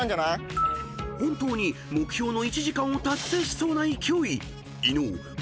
［本当に目標の１時間を達成しそうな勢い］